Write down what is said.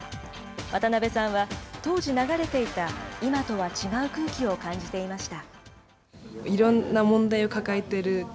渡邊さんは、当時流れていた、今とは違う空気を感じていました。